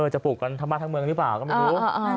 ปลูกกันทั้งบ้านทั้งเมืองหรือเปล่าก็ไม่รู้